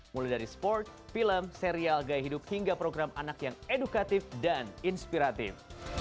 mulai dari sport film serial gaya hidup hingga program anak yang edukatif dan inspiratif